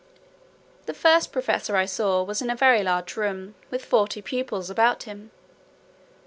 The first professor I saw, was in a very large room, with forty pupils about him.